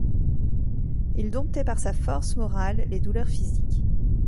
Il domptait par sa force morale les douleurs physiques.